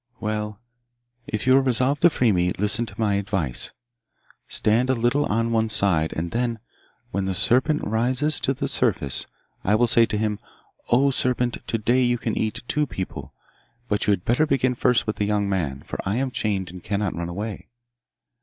'Well, if you are resolved to free me, listen to my advice. Stand a little on one side, and then, when the serpent rises to the surface, I will say to him, "O serpent, to day you can eat two people. But you had better begin first with the young man, for I am chained and cannot run away."